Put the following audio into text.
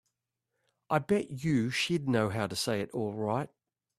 I bet you she'd know how to say it all right.